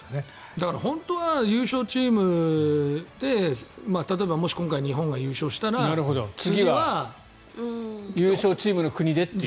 だから本当は優勝チームで例えばもし今回日本が優勝したら優勝チームの国でという。